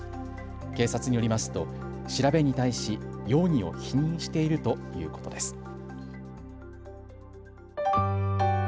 警察によりますと調べに対し容疑を否認しているということです。